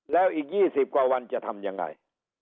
แล้วอีก๒๐กว่าวันจะทำยังไง